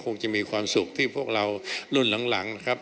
คงจะมีความสุขที่พวกเรารุ่นหลังนะครับ